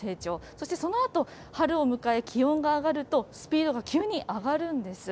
そしてそのあと、春を迎え、気温が上がると、スピードが急に上がるんです。